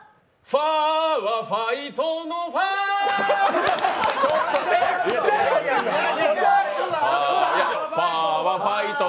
ファはファイトのファセーフ！